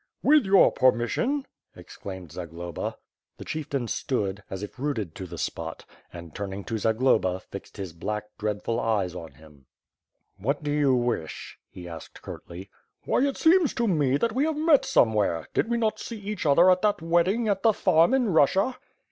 *^ith your permission," exclaimed Zagloba. The chieftain stood, as if rooted to the spot; and, turning to Zagloba, fixed his black, dreadful eyes on him: WITH FIKE AXD SSWOHD. ^^j ^TVTiat do you wish?" he asked curtly. "Why, it seems to me that we have met somewhere? Did we not see each other at that wedding at the farm in Russia?"